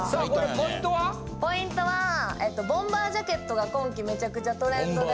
ポイントはえっとボンバージャケットが今季めちゃくちゃトレンドで。